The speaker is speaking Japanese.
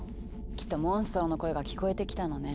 きっとモンストロの声が聞こえてきたのね。